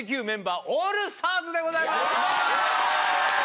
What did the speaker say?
メンバーオールスターズでございます！